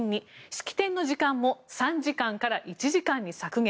式典の時間も３時間から１時間に削減。